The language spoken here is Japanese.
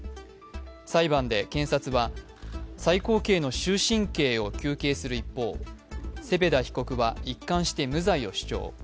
裁判で検察は最高刑の終身刑を求刑する一方、セペダ被告は一貫して無罪を主張。